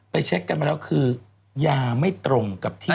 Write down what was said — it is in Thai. เช็คกันมาแล้วคือยาไม่ตรงกับที่